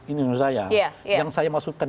ini menurut saya iya iya yang saya masukkan